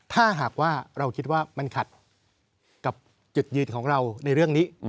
ถ้าหากว่าเราคิดว่ามันขัดกับจุดยืนของเราในเรื่องนี้